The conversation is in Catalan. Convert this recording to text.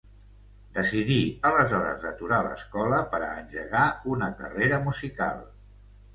Decidí aleshores d'aturar l'escola per a engegar una carrera musical.